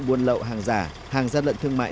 buôn lậu hàng giả hàng gian lận thương mại